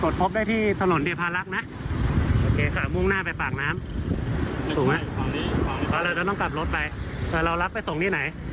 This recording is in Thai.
ได้ค่าจ้างเท่าไร